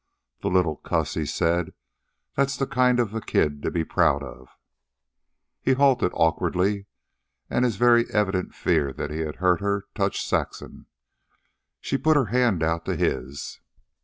"The little cuss!" he said. "That's the kind of a kid to be proud of." He halted awkwardly, and his very evident fear that he had hurt her touched Saxon. She put her hand out to his.